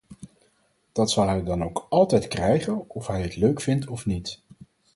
Dat zal hij dan ook altijd krijgen, of hij het leuk vindt of niet.